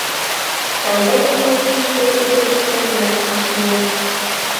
Сандене Неллим шке ӱдырышт семынак ашненыт.